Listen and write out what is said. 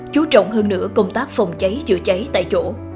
chú trọng hơn nửa công tác phòng cháy chữa cháy tại chỗ